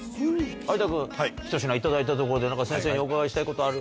有田君ひと品いただいたところで先生にお伺いしたいことある？